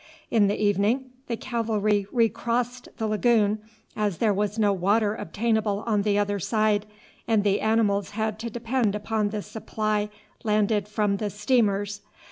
In the evening the cavalry recrossed the lagoon, as there was no water obtainable on the other side, and the animals had to depend upon the supply landed from the steamers.